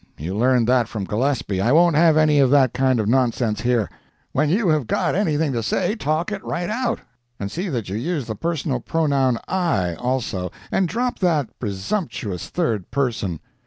You learned that from Gillespie, I won't have any of that kind of nonsense here. When you have got anything to say, talk it right out; and see that you use the personal pronoun 'I,' also, and drop that presumptuous third person.